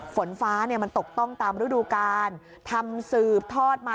ฝนฟ้าตกต้องตามรูดูการทำสืบทอดมา